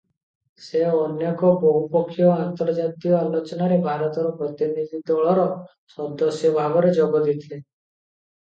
ସେ ଅନେକ ବହୁପକ୍ଷୀୟ ଆନ୍ତର୍ଜାତୀୟ ଆଲୋଚନାରେ ଭାରତର ପ୍ରତିନିଧି ଦଳର ସଦସ୍ୟ ଭାବରେ ଯୋଗଦେଇଥିଲେ ।